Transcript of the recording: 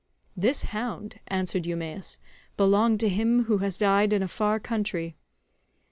"This hound," answered Eumaeus, "belonged to him who has died in a far country.